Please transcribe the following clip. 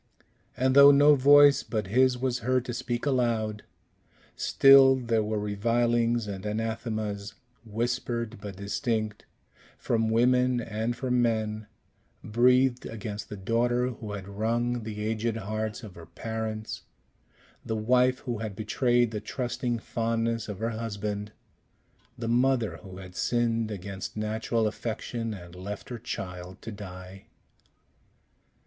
And though no voice but his was heard to speak aloud, still there were revilings and anathemas, whispered but distinct, from women and from men, breathed against the daughter who had wrung the aged hearts of her parents, the wife who had betrayed the trusting fondness of her husband, the mother who had sinned against natural affection, and left her child to die.